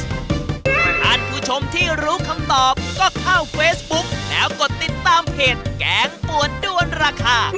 ท่านผู้ชมที่รู้คำตอบก็เข้าเฟซบุ๊กแล้วกดติดตามเพจแกงปวดด้วนราคา